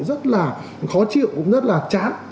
rất là khó chịu cũng rất là chán